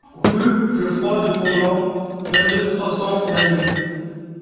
Rue Geoffroy de Pontblanc, vingt-deux, trois cents Lannion